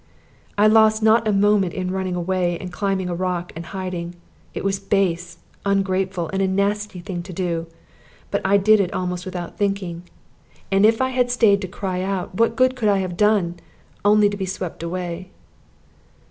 I lost not a moment in running away, and climbing a rock and hiding. It was base, ungrateful, and a nasty thing to do; but I did it almost without thinking. And if I had staid to cry out, what good could I have done only to be swept away?